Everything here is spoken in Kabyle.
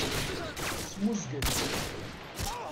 Smuzget.